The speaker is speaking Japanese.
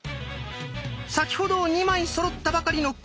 先ほど２枚そろったばかりの「クイーン」。